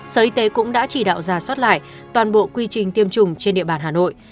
sở y tế cũng đã chỉ đạo giả soát lại toàn bộ quy trình tiêm chủng trên địa bàn hà nội